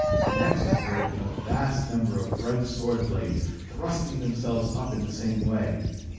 Next appeared a vast number of bright sword blades, thrusting themselves up in the same way.